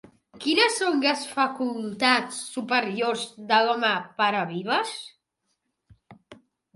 Quines són les facultats superiors de l'home per a Vives?